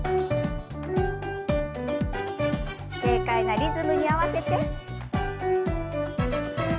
軽快なリズムに合わせて。